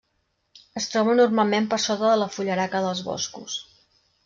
Es troba normalment per sota de la fullaraca dels boscos.